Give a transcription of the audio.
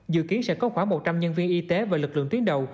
dự kiến sẽ có khoảng một trăm linh nhân viên y tế và lực lượng tuyến đầu